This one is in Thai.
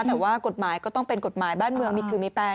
แต่ว่ากฎหมายก็ต้องเป็นกฎหมายบ้านเมืองมีคือมีแปลง